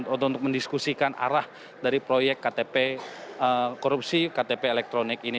untuk mendiskusikan arah dari proyek ktp korupsi ktp elektronik ini